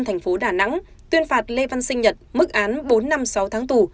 thành phố đà nẵng tuyên phạt lê văn sinh nhật